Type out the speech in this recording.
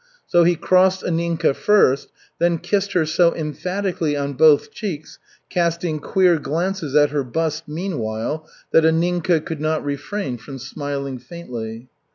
So he crossed Anninka first, then kissed her so emphatically on both cheeks, casting queer glances at her bust meanwhile, that Anninka could not refrain from smiling faintly.